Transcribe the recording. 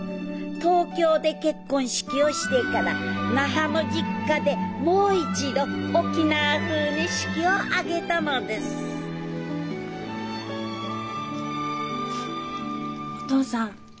東京で結婚式をしてから那覇の実家でもう一度沖縄風に式を挙げたのですお父さん